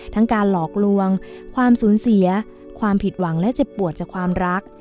การหลอกลวงความสูญเสียความผิดหวังและเจ็บปวดจากความรัก